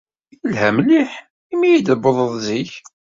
Yelha mliḥ imi ay d-tewwḍed zik.